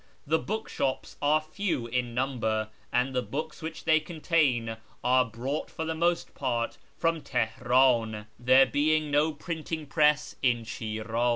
The book shops are few in number, and the books which they contain are Ijrought for the most part from Teheran, there being no printing press in Shiraz.